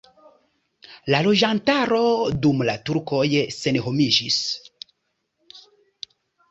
La loĝantaro dum la turkoj senhomiĝis.